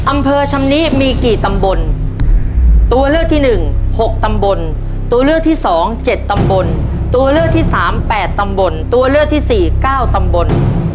อำเภอชำนี้มีกี่ตำบลตัวเลือกที่๑๖ตำบลตัวเลือกที่๒๗ตำบลตัวเลือกที่สามแปดตำบลตัวเลือกที่สี่เก้าตำบล